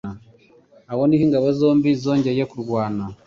Aho niho ingabo zombi zongeye kurwana